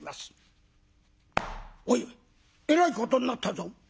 「おいえらいことになったぞ」。